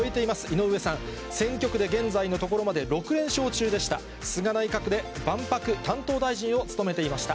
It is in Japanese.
井上さん、選挙区で現在のところまで６連勝中でした。